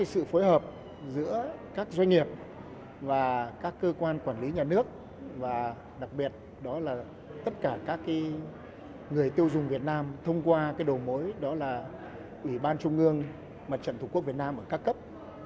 sự phối hợp giữa các doanh nghiệp và các cơ quan quản lý nhà nước và đặc biệt đó là tất cả các người tiêu dùng việt nam thông qua đầu mối đó là ủy ban trung ương mặt trận thủ quốc việt nam ở các cấp